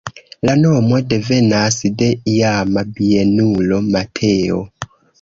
La nomo devenas de iama bienulo Mateo.